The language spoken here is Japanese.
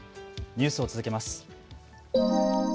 ニュースを続けます。